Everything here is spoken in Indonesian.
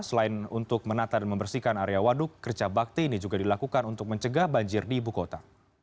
selain untuk menata dan membersihkan area waduk kerja bakti ini juga dilakukan untuk mencegah banjir di ibu kota